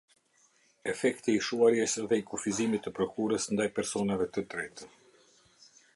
Efekti i shuarjes dhe i kufizimit të prokurës ndaj personave të tretë.